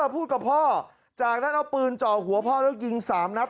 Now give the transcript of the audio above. พูดกับพ่อจากนั้นเอาปืนจ่อหัวพ่อแล้วยิง๓นัด